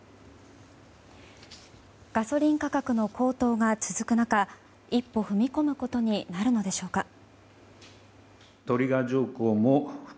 ガソリン価格の高騰が続く中一歩踏み込むことになるのでしょうか。